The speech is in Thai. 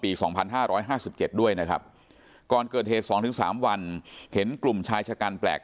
ปี๒๕๕๗ด้วยนะครับก่อนเกิดเหตุ๒๓วันเห็นกลุ่มชายชะกันแปลก